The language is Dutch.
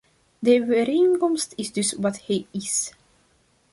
De overeenkomst is dus wat hij is.